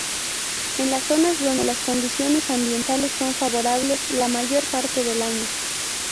En las zonas donde las condiciones ambientales son favorables la mayor parte del año.